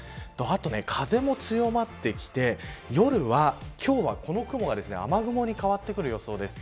あと、風も強まってきて夜は今日はこの雲が雨雲に変わってくる予想です。